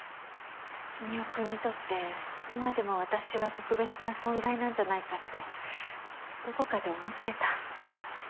君雄君にとって今でも私は特別な存在なんじゃないかってどこかで思ってた。